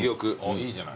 いいじゃない。